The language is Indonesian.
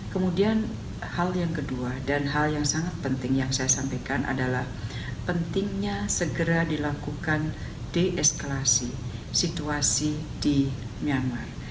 kemudian hal yang kedua dan hal yang sangat penting yang saya sampaikan adalah pentingnya segera dilakukan deeskalasi situasi di myanmar